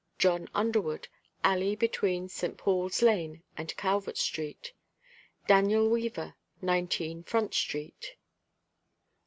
JOHN UNDERWOOD, Alley between St. Paul's lane and Calvert street. DANIEL WEAVER, 19 Front street.